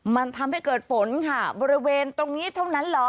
มันทำให้เกิดฝนค่ะบริเวณตรงนี้เท่านั้นเหรอ